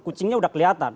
kucingnya udah kelihatan